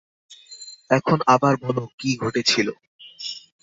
এখন আবার বলো কি ঘটেছিল।